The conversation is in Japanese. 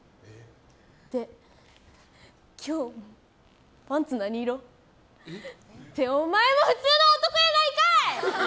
で、今日パンツ何色？って、お前も普通の男やないかい！